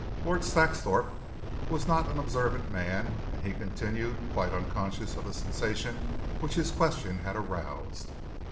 Lord Saxthorpe was not an observant man and he continued, quite unconscious of the sensation which his question had aroused.